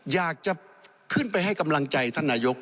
อยากจะขึ้นไปให้กำลังใจท่านนายก